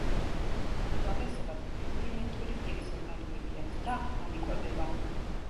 უმრავლესობას რუდიმენტული პირის ორგანოები აქვს და არ იკვებება.